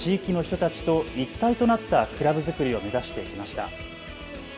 地域の人たちと一体となったクラブ作りを目指してきました。